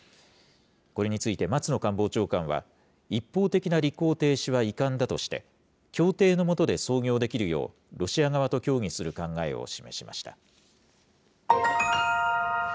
これについて松野官房長官は、一方的な履行停止は遺憾だとして、協定のもとで操業できるよう、ロシア側と協議する考えを示しました。